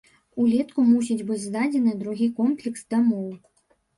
Улетку мусіць быць здадзены другі комплекс дамоў.